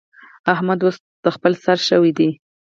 احمد اوس د خپل سر شوی دی.